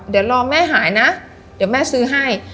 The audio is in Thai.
เดี๋ยวรอแม่หายนะเดี๋ยวแม่ซื้อให้